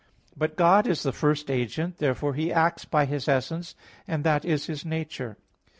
But God is the first agent. Therefore He acts by His essence; and that is His nature.